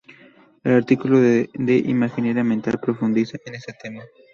El artículo de imaginaria mental profundiza en este tema.